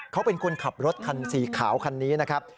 เขาเป็นคนขับรถคันสีขาวคันนี้นะครับ